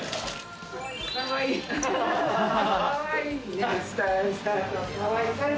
かわいい。